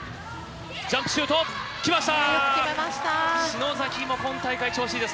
ジャンプシュート、きました。